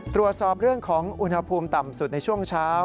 ตรวจสอบเรื่องของอุณหภูมิต่ำสุดในช่วงเช้า